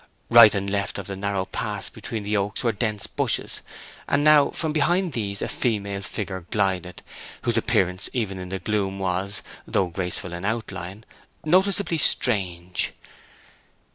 Right and left of the narrow pass between the oaks were dense bushes; and now from behind these a female figure glided, whose appearance even in the gloom was, though graceful in outline, noticeably strange.